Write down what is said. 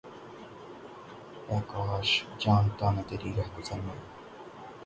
اے کاش! جانتا نہ تیری رہگزر کو میں!